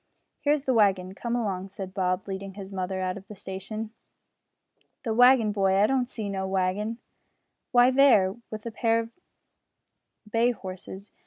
"Here is the wagon; come along," said Bob, leading his mother out of the station. "The waggin, boy; I don't see no waggin." "Why, there, with the pair of bay horses."